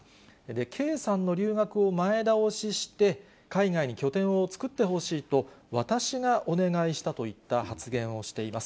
圭さんの留学を前倒しして、海外に拠点を作ってほしいと、私がお願いしたといった発言をしています。